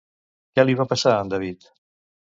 Què li va passar a en David?